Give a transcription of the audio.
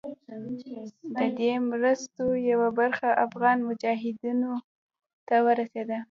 د دې مرستو یوه برخه افغان مجاهدینو ته رسېده.